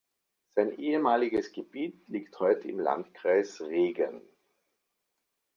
Sein ehemaliges Gebiet liegt heute im Landkreis Regen.